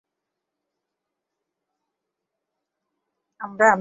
আমরা American dollar নিতে পারি।